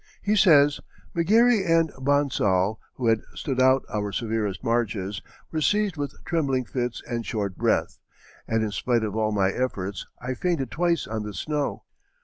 He says: "McGary and Bonsall, who had stood out our severest marches, were seized with trembling fits and short breath, and in spite of all my efforts I fainted twice on the snow."